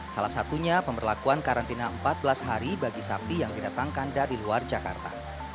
salah satunya pemberlakuan karantina empat belas hari bagi sapi yang didatangkan dari luar jakarta